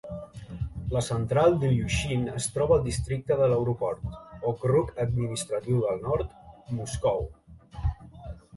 La central d'Ilyushin es troba al districte de l'aeroport, okrug administratiu del nord, Moscou.